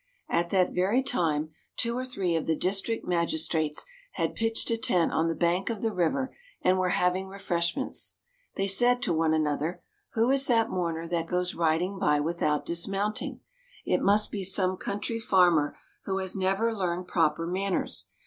At that very time two or three of the district magistrates had pitched a tent on the bank of the river and were having refreshments. They said to one another, "Who is that mourner that goes riding by without dismounting? It must be some country farmer who has never learned proper manners.